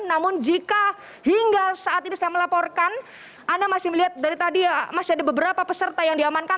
namun jika hingga saat ini saya melaporkan anda masih melihat dari tadi masih ada beberapa peserta yang diamankan